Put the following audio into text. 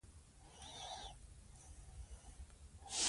خوشال بابا څه وایي؟